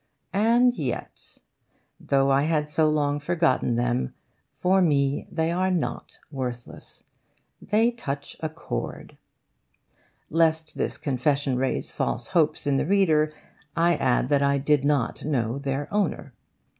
And yet, though I had so long forgotten them, for me they are not worthless. They touch a chord... Lest this confession raise false hopes in the reader, I add that I did not know their owner.